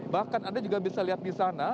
bahkan anda juga bisa lihat di sana